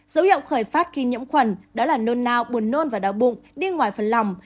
dấu hiệu khởi phát khi nhiễm khuẩn đó là nôn nao buồn nôn và đau bụng đi ngoài phần lòng